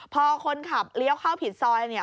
พอคนขับเลี้ยวเข้าผิดซอยเนี่ย